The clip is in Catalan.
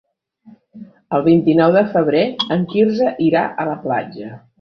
El vint-i-nou de febrer en Quirze irà a la platja.